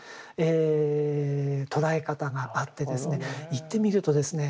言ってみるとですね